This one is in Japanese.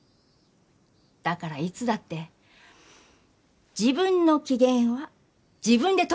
だからいつだって自分の機嫌は自分でとること。